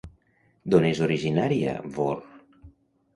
D'on és originària Vör?